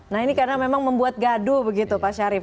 nah ini karena memang membuat gaduh begitu pak syarif